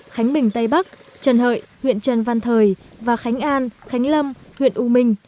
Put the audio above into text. khánh bình tây bắc trần hợi huyện trần văn thời và khánh an khánh lâm huyện u minh